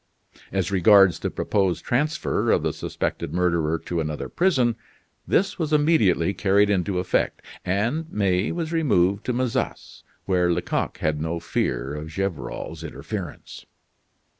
As regards the proposed transfer of the suspected murderer to another prison, this was immediately carried into effect, and May was removed to Mazas, where Lecoq had no fear of Gevrol's interference.